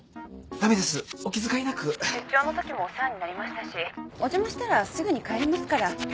出張のときもお世話になりましたしお邪魔したらすぐに帰りますから。